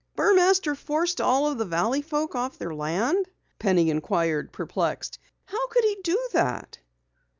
"Burmaster forced all of the valley folk off their land?" Penny inquired, perplexed. "How could he do that?"